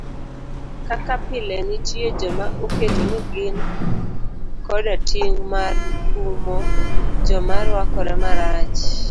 Kaka pile nitie joma oketo ni gin koda ting' mar kumo joma rwakore marach.